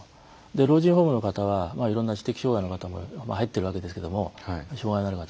老人ホームの方はいろんな知的障害の方も入っているわけですけども障害のある方が。